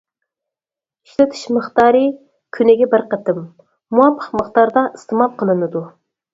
ئىشلىتىش مىقدارى: كۈنىگە بىر قېتىم، مۇۋاپىق مىقداردا ئىستېمال قىلىنىدۇ.